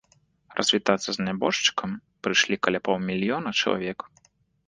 Развітацца з нябожчыкам прыйшлі каля паўмільёна чалавек.